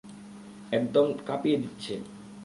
একদম কাঁপিয়ে দিচ্ছে।